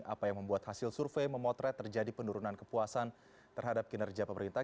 apa yang membuat hasil survei memotret terjadi penurunan kepuasan terhadap kinerja pemerintah